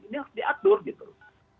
ini harus diatur gitu